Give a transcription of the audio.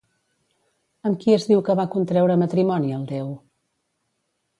Amb qui es diu que va contreure matrimoni el déu?